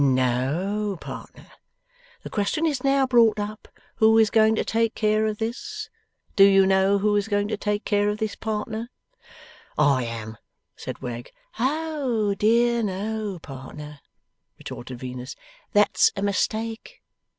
'No, partner. The question is now brought up, who is going to take care of this. Do you know who is going to take care of this, partner?' 'I am,' said Wegg. 'Oh dear no, partner,' retorted Venus. 'That's a mistake.